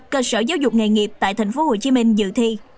cơ sở giáo dục nghề nghiệp tại tp hcm dự thi